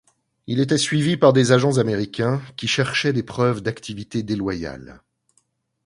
Il était suivi par des agents américains qui cherchaient des preuves d'activités déloyales.